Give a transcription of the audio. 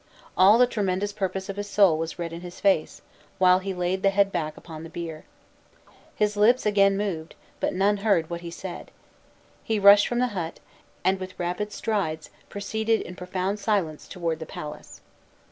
All the tremendous purpose of his soul was read in his face, while he laid the head back upon the bier. His lips again moved, but none heard what he said. He rushed from the hut, and with rapid strides, proceeded in profound silence toward the palace.